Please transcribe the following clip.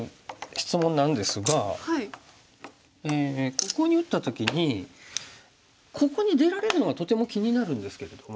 ここに打った時にここに出られるのがとても気になるんですけれども。